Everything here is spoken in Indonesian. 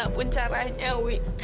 bagaimana caranya wi